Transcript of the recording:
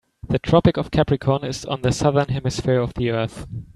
The Tropic of Capricorn is on the Southern Hemisphere of the earth.